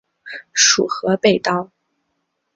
属河北道。